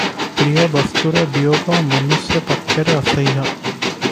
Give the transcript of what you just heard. ପ୍ରିୟ ବସ୍ତୁର ବିୟୋଗ ମନୁଷ୍ୟ ପକ୍ଷରେ ଅସହ୍ୟ ।